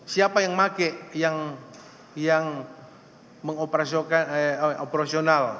siapa yang pakai yang mengoperasiokan operasional